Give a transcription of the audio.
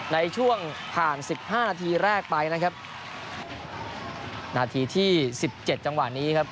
ในช่วงผ่านสิบห้านาทีแรกไปนะครับนาทีที่สิบเจ็ดจังหวะนี้ครับ